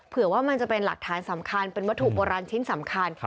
ว่ามันจะเป็นหลักฐานสำคัญเป็นวัตถุโบราณชิ้นสำคัญ